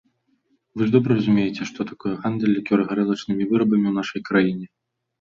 Вы ж добра разумееце, што такое гандаль лікёра-гарэлачнымі вырабамі ў нашай краіне.